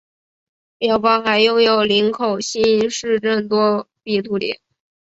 庙方还拥有林口新市镇多笔土地。